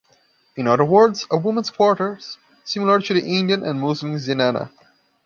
In other words, a women's quarters, similar to the Indian and Muslim zenana.